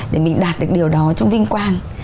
để mình đạt được điều đó trong vinh quang